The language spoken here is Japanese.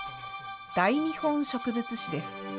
大日本植物志です。